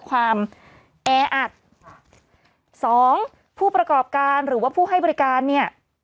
ความแออัดสองผู้ประกอบการหรือว่าผู้ให้บริการเนี่ย